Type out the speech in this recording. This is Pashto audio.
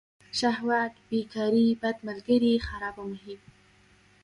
شهوت بیکاري بد ملگري خرابه محیط.